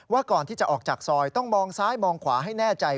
ว่าก่อนที่จะออกจากซอยต้องมองซ้ายมองขวาให้แน่ใจ